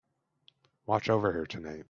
Watch over her tonight.